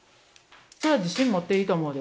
それは自信持っていいと思うで。